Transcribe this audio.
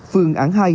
phương án hai